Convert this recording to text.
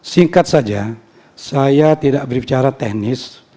singkat saja saya tidak berbicara teknis